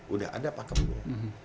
udah ada pakepnya